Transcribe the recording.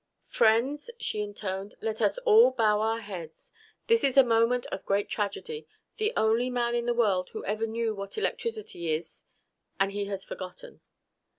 "Friends," she intoned, "let us all bow our heads. This is a moment of great tragedy. The only man in the world who ever knew what electricity is and he has forgotten!"